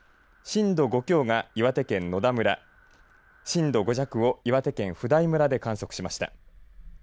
震度５強が岩手県野田村震度５弱を岩手県普代村で観測しました。